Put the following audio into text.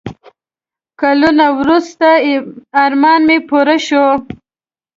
کلونه وروسته ارمان مې پوره شو.